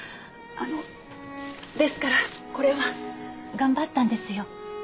あのですからこれは。頑張ったんですよ